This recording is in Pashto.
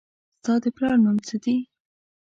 ستا د پلار نوم څه دي